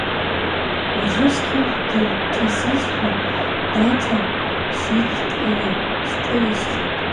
Аӡәы сқьышә дынҭасызшәа, Даҭа сидҟьаны сҿынасхеит.